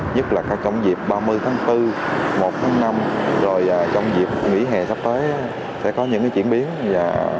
nhất là có cổng dịp ba mươi tháng bốn một tháng năm rồi trong dịp nghỉ hè sắp tới sẽ có những chuyển biến